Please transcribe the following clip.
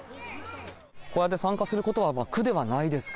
こうやって参加することは苦ではないですか？